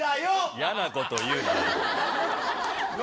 やなこと言うなよ。